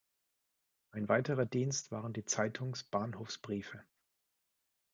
Ein weiterer Dienst waren die Zeitungs-Bahnhofsbriefe.